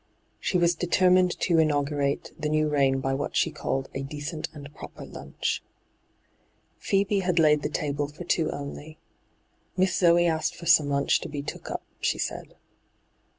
She was deter mined to inaugurate the new reign by what she called ' a decent and proper lunch.' Fhtebe had laid the table for two only. * Miss Zoe asked for some lunch to be took up,' she said.